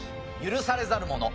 『許されざる者』。